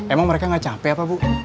emang mereka gak capek apa bu